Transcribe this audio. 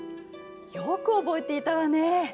よく覚えていたわね偉い！